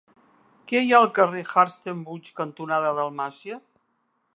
Què hi ha al carrer Hartzenbusch cantonada Dalmàcia?